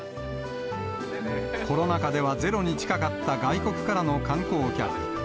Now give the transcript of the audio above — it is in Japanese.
コロナ禍ではゼロに近かった外国からの観光客。